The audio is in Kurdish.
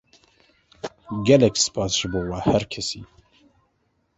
Gelek spas ji bo we her kesî.